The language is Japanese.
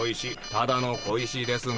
ただの小石ですね？